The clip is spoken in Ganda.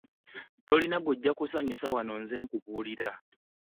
Tolina gw'ojja kusanyusa wano nze nkubuulira.